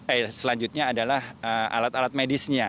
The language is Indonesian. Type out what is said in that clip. eh selanjutnya adalah alat alat medisnya